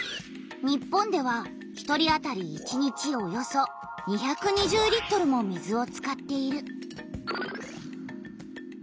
日本では１人あたり１日およそ２２０リットルも水を使っている。